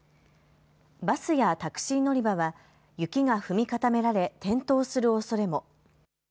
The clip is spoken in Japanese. バスやタクシー乗り場は雪が踏み固められ、転倒するおそれも。